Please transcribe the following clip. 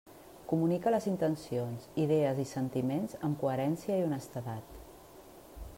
Comunica les intencions, idees i sentiments amb coherència i honestedat.